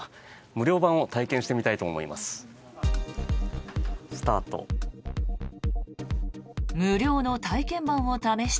無料版を体験してみたいと思います。